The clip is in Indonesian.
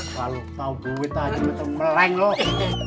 kalau lu tahu duit aja betul meleng loh